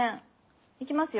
いきますよ。